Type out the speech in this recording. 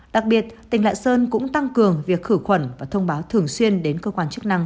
đặc biệt tỉnh lạng sơn cũng tăng cường việc khử khuẩn và thông báo thường xuyên đến cơ quan chức năng